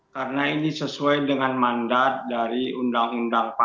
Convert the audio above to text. karena ini sesuai dengan mandat dari undang undang pertama